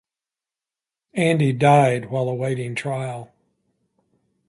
Adie died while awaiting trial.